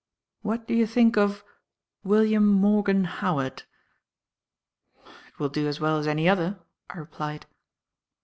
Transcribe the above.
What do you think of 'William Morgan Howard'?" "It will do as well as any other," I replied.